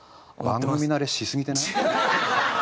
番組慣れしすぎてない？